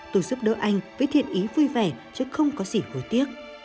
tôi giúp đỡ anh với thiện ý vui vẻ chứ không có gì hồi tiếc